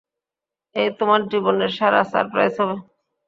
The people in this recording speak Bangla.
এটা তোমার জীবনের সেরা সারপ্রাইজ হবে।